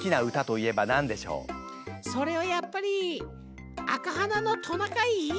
それはやっぱり「赤鼻のトナカイ」？